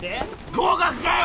合格かよ？